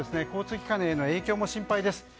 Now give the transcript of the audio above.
交通機関への影響も心配です。